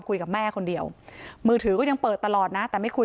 คุยกับแม่คนเดียวมือถือก็ยังเปิดตลอดนะแต่ไม่คุย